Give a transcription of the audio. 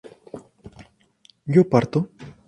¿yo parto?